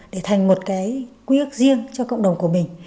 để thành một cái quy ước riêng cho cộng đồng của mình